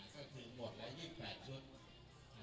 ก็คือหมดแล้ว๒๘ชุด